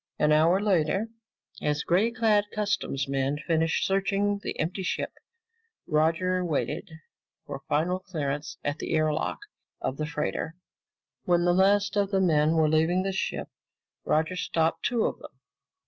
An hour later, as gray clad customs men finished searching the empty ship, Roger waited for final clearance at the air lock of the freighter. When the last of the men were leaving the ship, Roger stopped two of them.